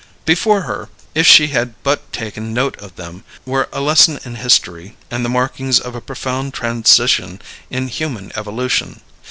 Before her, if she had but taken note of them, were a lesson in history and the markings of a profound transition in human evolution.